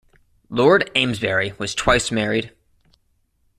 Lord Amesbury was twice married.